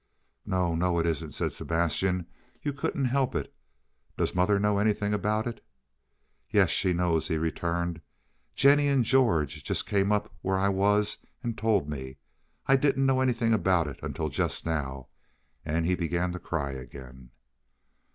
"No, no, it isn't," said Sebastian. "You couldn't help it. Does mother know anything about it?" "Yes, she knows," he returned. "Jennie and George just came up where I was and told me. I didn't know anything about it until just now," and he began to cry again.